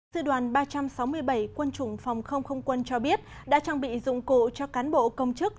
sư đoàn ba trăm sáu mươi bảy quân chủng phòng không không quân cho biết đã trang bị dụng cụ cho cán bộ công chức